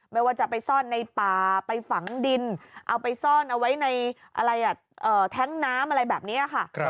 ไม่ว่าจะไปซ่อนในป่าไปฝังดินเอาไปซ่อนเอาไว้ในแท้งน้ำอะไรแบบนี้ค่ะ